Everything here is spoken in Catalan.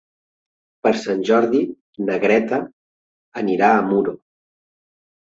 Per Sant Jordi na Greta anirà a Muro.